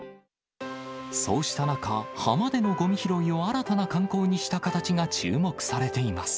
そうした中、浜でのごみ拾いを新たな観光にした形が注目されています。